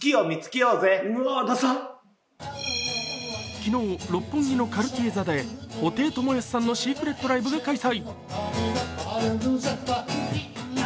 昨日、六本木のカルティエ座で布袋寅泰さんのシークレットライブが開催。